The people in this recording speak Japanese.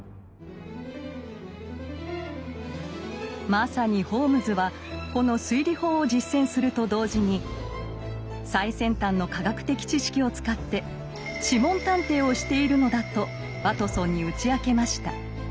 まさにホームズはこの推理法を実践すると同時に最先端の科学的知識を使って「諮問探偵」をしているのだとワトソンに打ち明けました。